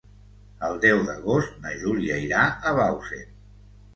El deu d'agost na Júlia irà a Bausen.